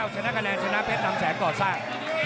ชนะแกนแรงชนะเพชรนำแสงกรอดซ้าย